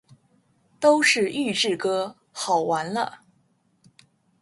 都是预制歌，好完了